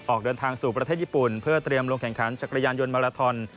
ออกเดินทางสู่ประเทศญี่ปุ่นเพื่อเตรียมลงแข่งขันจักรยานยนต์มาลาทอน